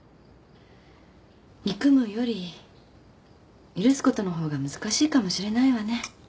憎むより許すことのほうが難しいかもしれないわね。